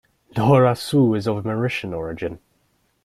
Dhorasoo is of Mauritian origin.